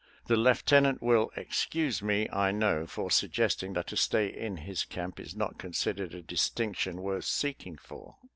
The Lieuetnant will excuse me, I know, for suggesting that a stay in his camp is not considered a dis tinction worth seeking for.